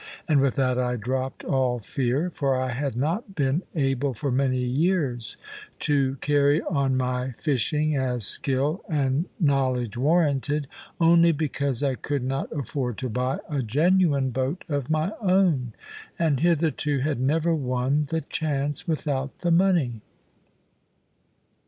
And with that I dropped all fear. For I had not been able, for many years, to carry on my fishing as skill and knowledge warranted, only because I could not afford to buy a genuine boat of my own, and hitherto had never won the chance without the money.